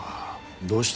どうした？